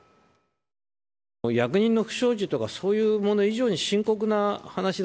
役人の不祥事とかそういうもの以上に深刻な話だ。